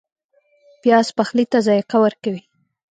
پیاز پخلی ته ذایقه ورکوي